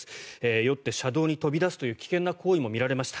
酔って車道に飛び出すという危険な行為も見られました。